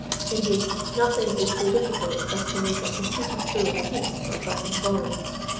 Indeed, nothing is so difficult as to make a conceited fool cease from talking folly.